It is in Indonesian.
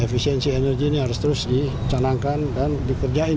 efisiensi energinya harus terus dicanangkan dan dikerjain